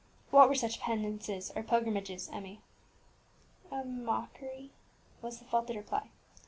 What were such penances or pilgrimages, Emmie?" "A mockery," was the faltered reply.